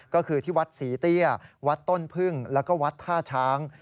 ก็คือที่วัดศรีเตี้ยวัดต้นพึ่งแล้วก็วัดท่าช้าง